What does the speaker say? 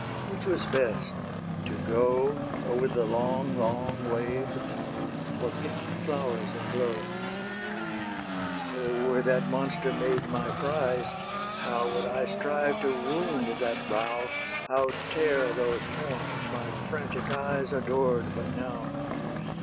Which was best? to go Over the long, long waves, or pick The flowers in blow? O, were that monster made my prize, How would I strive to wound that brow, How tear those horns, my frantic eyes Adored but now!